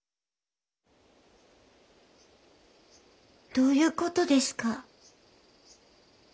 どういうことですか？